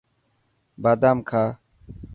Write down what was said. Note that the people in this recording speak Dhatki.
بادام کا.